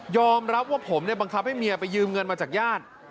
รับว่าผมเนี่ยบังคับให้เมียไปยืมเงินมาจากญาติ